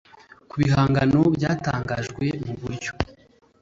Ku bihangano byatangajwe mu buryo